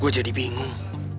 gue jadi bingung